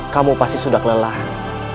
kamu pasti sudah kelelahan